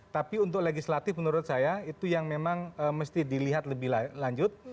tapi untuk legislatif menurut saya itu yang memang mesti dilihat lebih lanjut